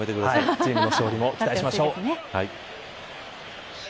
チームの勝利も期待しましょう。